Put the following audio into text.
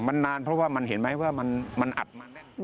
มันนานเพราะว่ามันเห็นไหมว่ามันอัดมัน